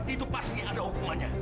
itu pasti ada hukumannya